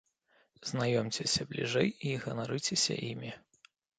Знаёмцеся бліжэй і ганарыцеся імі!